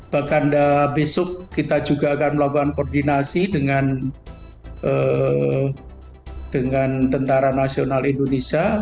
bahkan besok kita juga akan melakukan koordinasi dengan tentara nasional indonesia